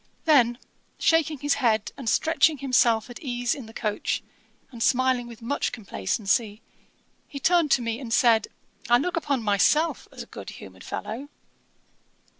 Then, shaking his head and stretching himself at ease in the coach, and smiling with much complacency, he turned to me and said, 'I look upon myself as a good humoured fellow.'